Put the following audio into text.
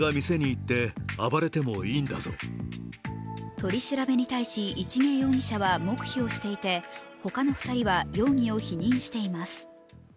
取り調べに対し、市毛容疑者は黙秘をしていてほかの２人は容疑を否認しています